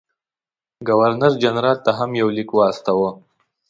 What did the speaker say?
ګورنر جنرال ته هم یو لیک واستاوه.